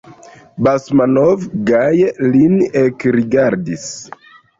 Basmanov gaje lin ekrigardis.